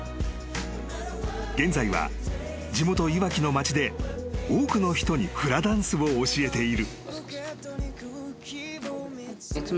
［現在は地元いわきの町で多くの人にフラダンスを教えている］